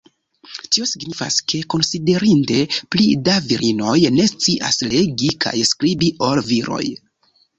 Tio signifas ke konsiderinde pli da virinoj ne sciis legi kaj skribi ol viroj.